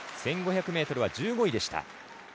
１５００ｍは１５位でした。